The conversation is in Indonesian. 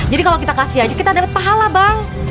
jadi kalau kita kasih aja kita dapat pahala bang